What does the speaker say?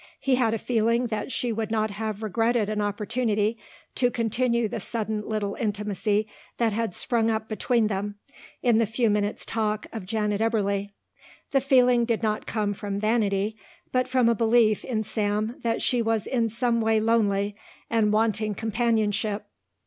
He had a feeling that she would not have regretted an opportunity to continue the sudden little intimacy that had sprung up between them in the few minutes' talk of Janet Eberly. The feeling did not come from vanity but from a belief in Sam that she was in some way lonely and wanting companionship.